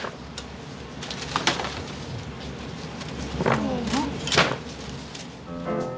せの。